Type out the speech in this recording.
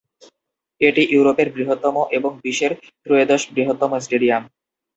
এটি ইউরোপের বৃহত্তম এবং বিশ্বের ত্রয়োদশ বৃহত্তম স্টেডিয়াম।